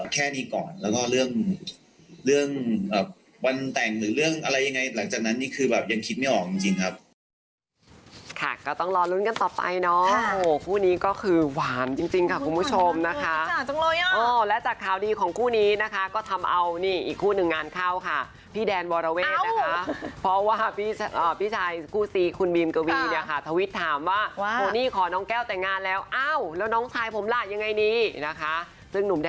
แค่นี้ก่อนแล้วก็เรื่องวันแต่งหรือเรื่องอะไรยังไงหลังจากนั้นนี่คือแบบยังคิดไม่ออกจริงครับ